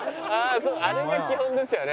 そうあれが基本ですよね。